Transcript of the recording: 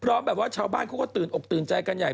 แบบว่าชาวบ้านเขาก็ตื่นอกตื่นใจกันใหญ่